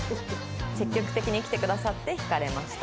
「積極的にきてくださって惹かれました」と。